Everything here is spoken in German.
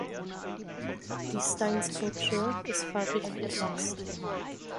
Die Steinskulptur ist farbig gefasst.